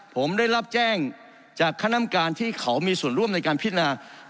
ผมได้รับแจ้งจากคณะกรรมการที่เขามีส่วนร่วมในการพินา